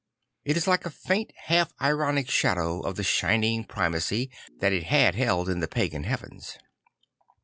It is like a faint half ironic shadow of the shining primacy that it had held in the pagan hea vens.